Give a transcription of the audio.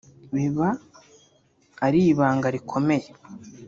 biba ari ibanga rikomeye